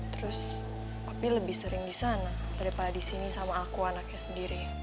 terus aku lebih sering di sana daripada di sini sama aku anaknya sendiri